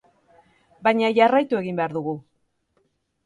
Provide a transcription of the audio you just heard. Baina jarraitu egin behar dugu.